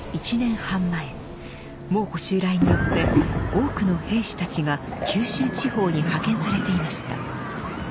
蒙古襲来によって多くの兵士たちが九州地方に派遣されていました。